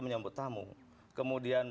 menyambut tamu kemudian